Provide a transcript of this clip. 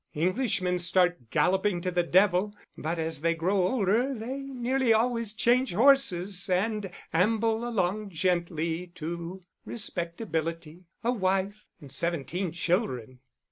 Englishmen start galloping to the devil, but as they grow older they nearly always change horses and amble along gently to respectability, a wife, and seventeen children."